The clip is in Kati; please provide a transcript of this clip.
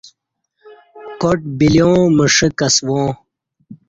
کاٹ بلیاں مشہ کسواں